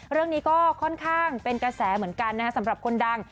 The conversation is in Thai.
เรื่องนี้ก็ค่อนข้างเป็นกระแสเหมือนกันนะครับสำหรับคนดัง